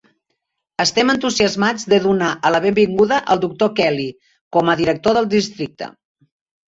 Estem entusiasmats de donar la benvinguda al doctor Kelly com a director del districte.